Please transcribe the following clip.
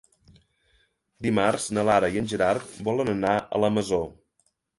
Dimarts na Nara i en Gerard volen anar a la Masó.